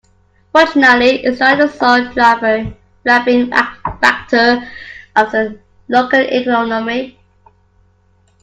Fortunately its not the sole driving factor of the local economy.